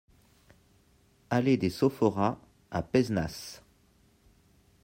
Allée des Sophoras à Pézenas